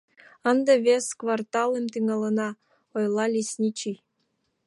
— Ынде вес кварталым тӱҥалына, — ойла лесничий.